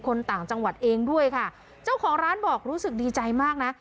ต่างจังหวัดเองด้วยค่ะเจ้าของร้านบอกรู้สึกดีใจมากนะ